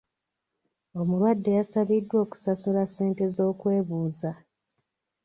Omulwadde yasabiddwa okusasula ssente z'okwebuuza.